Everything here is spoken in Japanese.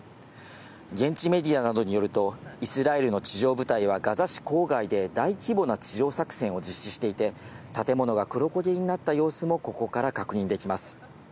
現地メディアなどによると、イスラエルの地上部隊はガザ市郊外で大規模な地上作戦を実施していて、建物が黒焦げになった様子もここから確認できます。